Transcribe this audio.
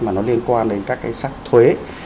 mà nó liên quan đến các cái sắc thuế